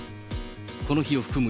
この日を含む